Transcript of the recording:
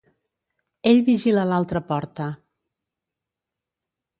Ell vigila l'altra porta.